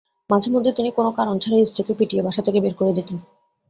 মাঝেমধ্যে তিনি কোনো কারণ ছাড়াই স্ত্রীকে পিটিয়ে বাসা থেকে বের করে দিতেন।